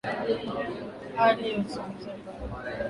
hali ya usingizi ambayo humsambabishia mtumiaji mfadhaiko